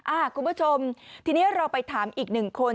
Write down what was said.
คุณผู้ชมทีนี้เราไปถามอีกหนึ่งคน